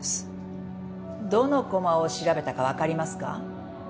どの駒を調べたかわかりますか？